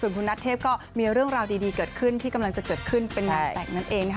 ส่วนคุณนัทเทปก็มีเรื่องราวดีเกิดขึ้นที่กำลังจะเกิดขึ้นเป็นอย่างแปลกนั้นเอง